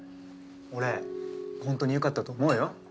俺ほんとによかったと思うよ。